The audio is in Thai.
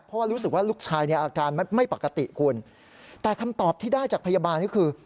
เพราะว่ารู้สึกว่าลูกชายเนี่ยอาการไม่ปกติคุณแต่คำตอบที่ได้จากพยาบาลก็คือ